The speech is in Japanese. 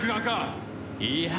いいや。